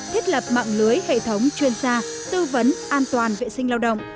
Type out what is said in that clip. thiết lập mạng lưới hệ thống chuyên gia tư vấn an toàn vệ sinh lao động